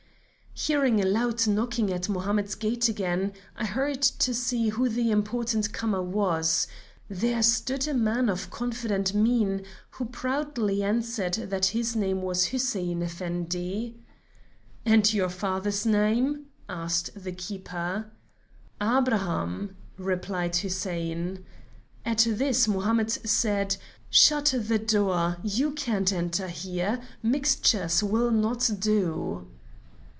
"Hearing a loud knocking at Mohammed's gate again, I hurried to see who the important comer was. There stood a man of confident mien, who proudly answered that his name was Hussein Effendi. "'And your father's name?' asked the keeper. 'Abraham,' replied Hussein. At this Mohammed said: 'Shut the door; you can't enter here; mixtures will not do.'"